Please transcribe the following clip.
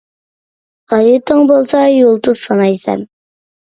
غەيرىتىڭ بولسا يۇلتۇز سانايسەن.